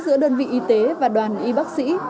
giữa đơn vị y tế và đoàn y bác sĩ